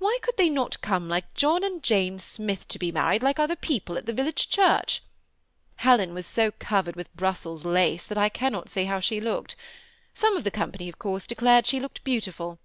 Why could they not come like John and Jane Smith to be married, like other people, at the vil lage church ? Helen was so covered with Brussels lace that I cannot say how she looked; some of the com pany, of course, declared she looked beautiful.